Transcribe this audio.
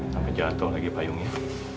sampai jatuh lagi payungnya